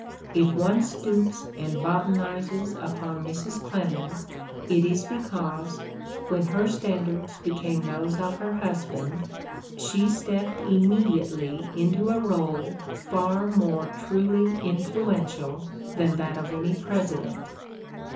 If one stoops and botanizes upon Mrs. Clemens it is because, when her standards became those of her husband, she stepped immediately into a role far more truly influential than that of any President.